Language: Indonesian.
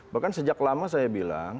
bahkan sejak lama saya bilang